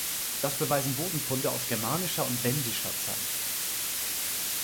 Das beweisen Bodenfunde aus germanischer und wendischer Zeit.